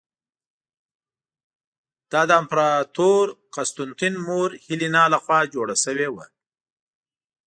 دا د امپراتور قسطنطین مور هیلینا له خوا جوړه شوې وه.